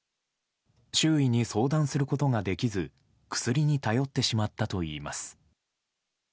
周囲に相談することができず、薬に頼ってしまったといいます。